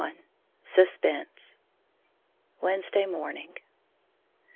XXI SUSPENSE _Wednesday Morning.